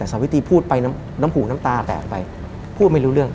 สาวิตรีพูดไปน้ำหูน้ำตาแตกไปพูดไม่รู้เรื่อง